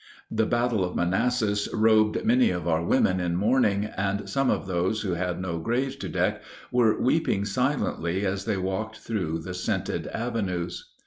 The battle of Manassas robed many of our women in mourning, and some of those who had no graves to deck were weeping silently as they walked through the scented avenues.